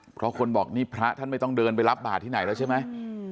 เพราะคนบอกนี่พระท่านไม่ต้องเดินไปรับบาทที่ไหนแล้วใช่ไหม